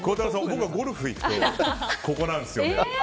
僕はゴルフ行くとここなんですよね。